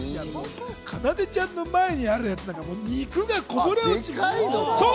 かなでちゃんの前にあるやつなんか肉がこぼれ落ちそう。